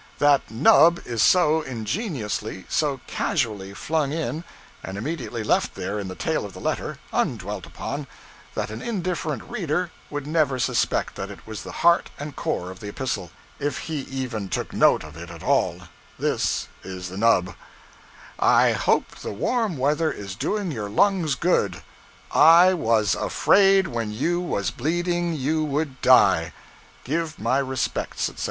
That 'nub' is so ingeniously, so casually, flung in, and immediately left there in the tail of the letter, undwelt upon, that an indifferent reader would never suspect that it was the heart and core of the epistle, if he even took note of it at all, This is the 'nub' 'i hope the warm weather is doing your lungs good I was afraid when you was bleeding you would die give my respects,' etc.